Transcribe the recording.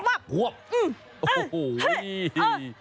อื้มอื้มอื้มอื้มอื้ม